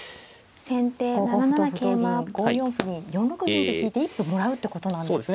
５五歩同歩同銀５四歩に４六銀と引いて一歩もらうってことなんですね。